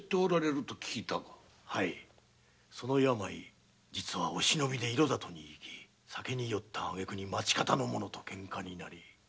その病実はお忍びで色里に行き酒に酔った挙句に町方の者とケンカになり刺されたもの。